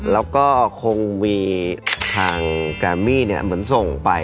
แล้วก็คงมีทางแกรมมี่เหมือนส่งไป